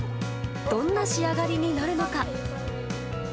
どんな仕上がりになるのか。